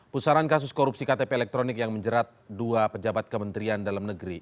pusaran kasus korupsi ktp elektronik yang menjerat dua pejabat kementerian dalam negeri